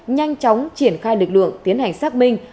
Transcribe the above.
nhanh chóng triển khai lực lượng tiến hành xác minh